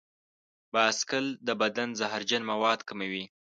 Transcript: بایسکل د بدن زهرجن مواد کموي.